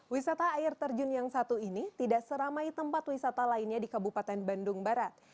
wisata air terjun yang satu ini tidak seramai tempat wisata lainnya di kabupaten bandung barat